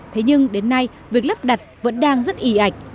thế nhưng đến nay việc lắp đặt vẫn đang rất ị ảnh